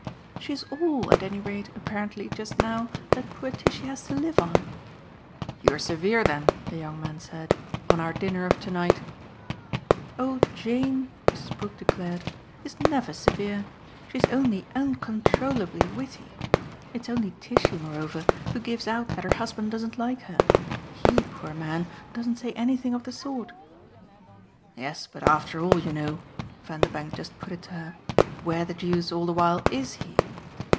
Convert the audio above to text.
"She's all at any rate, apparently, just now, that poor Tishy has to live on." "You're severe then," the young man said, "on our dinner of to night." "Oh Jane," Mrs. Brook declared, "is never severe: she's only uncontrollably witty. It's only Tishy moreover who gives out that her husband doesn't like her. HE, poor man, doesn't say anything of the sort." "Yes, but, after all, you know" Vanderbank just put it to her "where the deuce, all the while, IS he?"